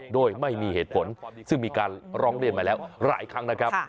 โดยไม่มีเหตุผลซึ่งมีการร้องเรียนมาแล้วหลายครั้งนะครับ